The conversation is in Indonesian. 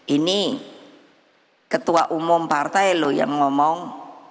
ini ketua umum partai loh yang ngomong